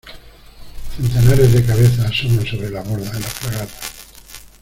centenares de cabezas asoman sobre la borda de la fragata